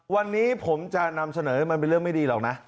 วันนี้ผมจะนำเสนอให้มันเป็นเรื่องไม่ดีหรอกนะ